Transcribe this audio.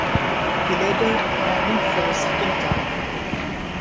He later married for a second time.